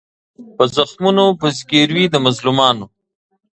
په زخمونو په زګیروي د مظلومانو